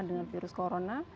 dengan virus corona